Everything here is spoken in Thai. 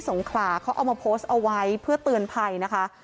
งขลาเขาเอามาโพสต์เอาไว้เพื่อเตือนภัยนะคะ